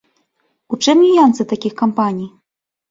У чым нюансы такіх кампаній?